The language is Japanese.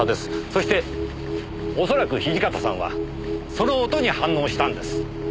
そして恐らく土方さんはその音に反応したんです。